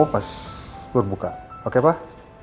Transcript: pas berbuka oke pak